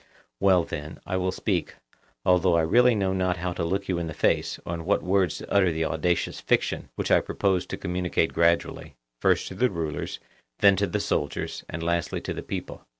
Well then, I will speak, although I really know not how to look you in the face, or in what words to utter the audacious fiction, which I propose to communicate gradually, first to the rulers, then to the soldiers, and lastly to the people.